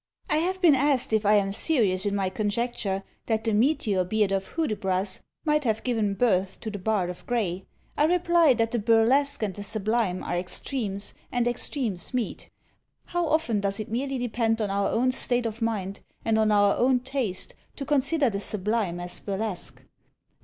I have been asked if I am serious in my conjecture that "the meteor beard" of Hudibras might have given birth to the "Bard" of Gray? I reply, that the burlesque and the sublime are extremes, and extremes meet. How often does it merely depend on our own state of mind, and on our own taste, to consider the sublime as burlesque!